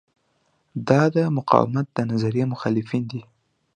دا د مقاومت د نظریې مخالفین دي.